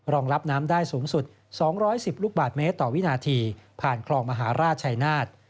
รองรับน้ำได้สูงสุด๒๑๐ลูกบาทเมตรต่อวินาทีผ่านคลองมหาราชชัยนาฏ